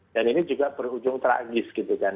dan ini juga berujung tragis gitu kan